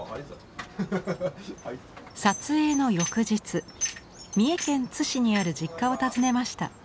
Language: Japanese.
撮影の翌日三重県津市にある実家を訪ねました。